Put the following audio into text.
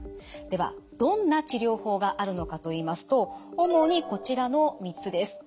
ではどんな治療法があるのかといいますと主にこちらの３つです。